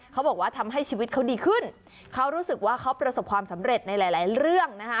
เขาบอกว่าทำให้ชีวิตเขาดีขึ้นเขารู้สึกว่าเขาประสบความสำเร็จในหลายหลายเรื่องนะคะ